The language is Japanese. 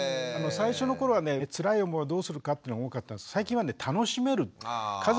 最初の頃はねつらい思いをどうするかっていうのが多かったんですが最近はね楽しめるっていう。